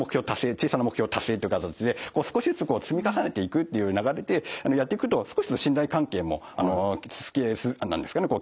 小さな目標達成っていう形で少しずつ積み重ねていくっていう流れでやっていくと少しずつ信頼関係も形成されてきたりとかするんですね。